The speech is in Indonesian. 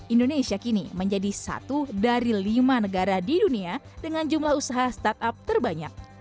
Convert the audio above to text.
indonesia kini menjadi satu dari lima negara di dunia dengan jumlah usaha startup terbanyak